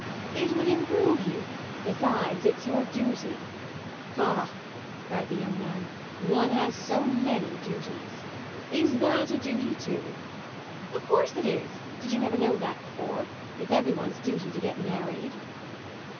"It would improve you. Besides, it's your duty." "Ah," cried the young man, "one has so many duties! Is that a duty too?" "Of course it is did you never know that before? It's every one's duty to get married."